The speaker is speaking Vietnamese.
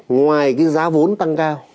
ngoài cái giá vốn tăng cao